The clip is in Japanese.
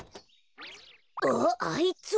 あっあいつは。